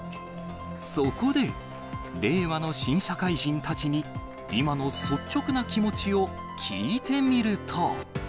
そこで、令和の新社会人たちに、今の率直な気持ちを聞いてみると。